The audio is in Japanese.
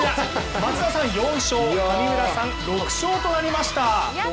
松田さん４勝、上村さんが６勝となりました。